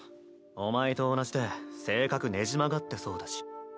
お前と同じで性格ねじ曲がってそうだし。